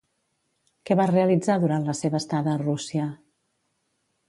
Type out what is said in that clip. Què va realitzar durant la seva estada a Rússia?